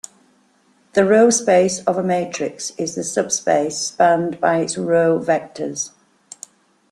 The row space of a matrix is the subspace spanned by its row vectors.